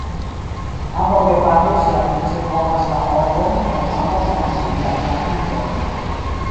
Ambaŭ gepatroj siavice kovas la ovojn kaj ambaŭ manĝigas la idojn.